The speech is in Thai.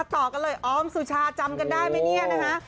ต่อกันเลยออมสุชาจำกันได้ไหมเนี่ยนะคะ